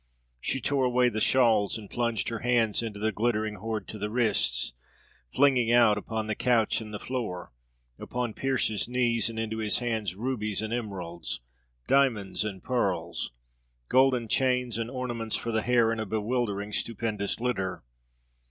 She tore away the shawls and plunged her hands into the glittering hoard to the wrists, flinging out upon the couch and the floor, upon Pearse's knees and into his hands, rubies and emeralds, diamonds and pearls, golden chains and ornaments for the hair in a bewildering, stupendous litter.